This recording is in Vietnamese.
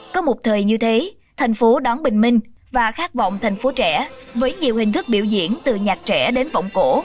có một thời như thế thành phố đón bình minh và khát vọng thành phố trẻ với nhiều hình thức biểu diễn từ nhạc trẻ đến vọng cổ